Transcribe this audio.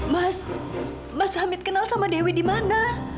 mas mas hamid kenal sama dewi dimana